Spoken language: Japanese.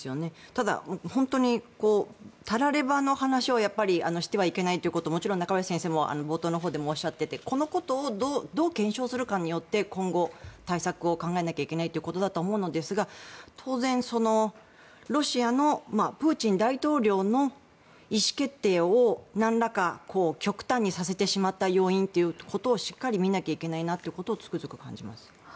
ただ、本当に、たらればの話をやっぱりしてはいけないということはもちろん中林先生も冒頭でおっしゃっていてこのことをどう検証するかによって今後、対策を考えなきゃいけないということだと思うのですが当然、ロシアのプーチン大統領の意思決定をなんらか極端にさせてしまった要因ということをしっかり見なきゃいけないなということをつくづく感じます。